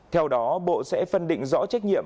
theo đó bộ sẽ phân định rõ trách nhiệm